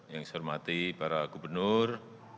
yang saya hormati para gubernur